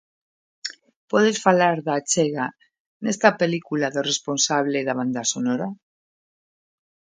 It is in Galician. Podes falar da achega, nesta película, do responsable da banda sonora?